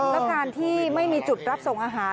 แล้วการที่ไม่มีจุดรับส่งอาหาร